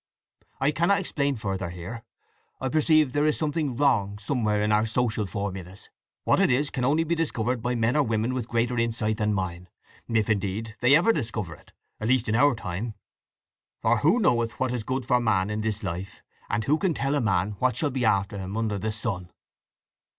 I cannot explain further here. I perceive there is something wrong somewhere in our social formulas: what it is can only be discovered by men or women with greater insight than mine—if, indeed, they ever discover it—at least in our time. 'For who knoweth what is good for man in this life?—and who can tell a man what shall be after him under the sun?